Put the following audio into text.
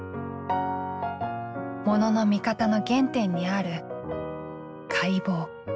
モノの見方の原点にある「解剖」。